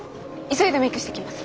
急いでメークしてきます。